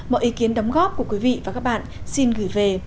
mọi ý kiến đóng góp của quý vị và các bạn xin gửi về